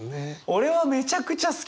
俺はめちゃくちゃ好きです。